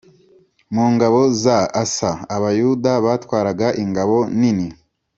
Mu ngabo za asa abayuda batwaraga ingabo nini